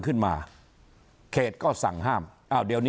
เขาก็ไปร้องเรียน